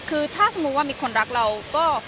คือถ้าสมมุติว่ามีคนรักเราก็